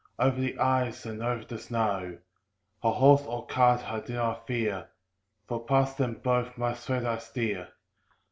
Over the ice, and over the snow; A horse or cart I do not fear. For past them both my sled I steer.